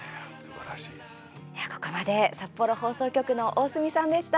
ここまで札幌放送局の大隅さんでした。